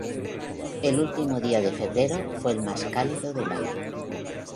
El último día de febrero fue el más cálido del año.